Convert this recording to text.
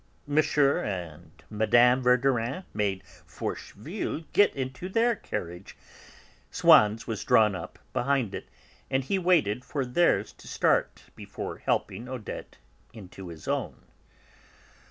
M. and Mme. Verdurin made Forcheville get into their carriage; Swann's was drawn up behind it, and he waited for theirs to start before helping Odette into his own.